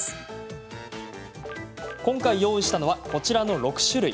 今回、用意したのはこちらの６種類。